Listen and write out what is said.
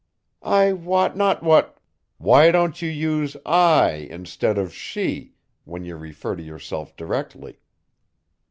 "I wot not what " "Why don't you use 'I' instead of 'she' when you refer to yourself directly?"